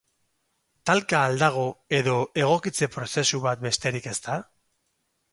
Talka al dago, edo egokitze prozesu bat besterik ez da?